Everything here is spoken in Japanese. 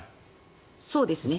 そうですね。